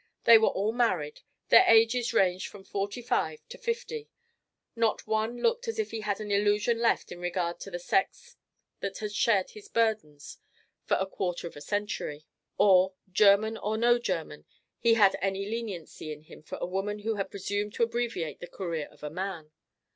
They were all married; their ages ranged from forty five to fifty; not one looked as if he had an illusion left in regard to the sex that had shared his burdens for a quarter of a century, or, German or no German, he had any leniency in him for a woman who had presumed to abbreviate the career of a man.